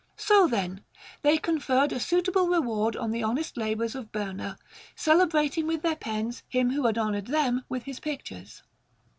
So, then, they conferred a suitable reward on the honest labours of Berna, celebrating with their pens him who had honoured them with his pictures.